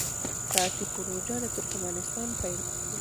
ټاپي پروژه له ترکمنستان پیلیږي